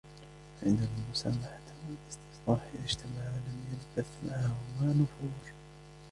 فَإِنَّ الْمُسَامَحَةَ وَالِاسْتِصْلَاحَ إذَا اجْتَمَعَا لَمْ يَلْبَثْ مَعَهُمَا نُفُورٌ